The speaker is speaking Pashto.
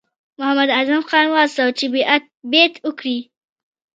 محمداعظم خان وهڅاوه چې بیعت وکړي.